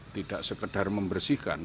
tidak sekedar membersihkan